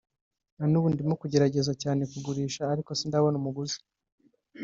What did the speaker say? “Na n’ubu ndimo kugerageza cyane kugurisha ariko sindabona umuguzi